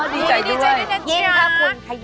ดีใจด้วย